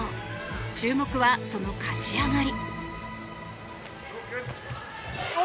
注目は、その勝ち上がり。